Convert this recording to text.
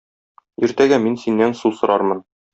Иртәгә мин синнән су сорармын